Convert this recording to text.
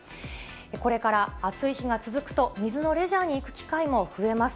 これから暑い日が続くと、水のレジャーに行く機会も増えます。